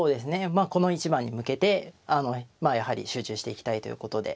まあこの一番に向けてまあやはり集中していきたいということで。